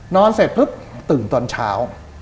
นอนเสร็จพึ่งตื่นตอนเช้า